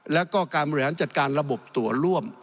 แล้วก็การบริหารจัดการระบบตัวร่วม